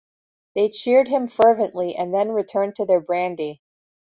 They cheered him fervently and then returned to their brandy.